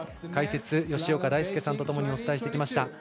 解説、吉岡大輔さんとともにお伝えしてきました。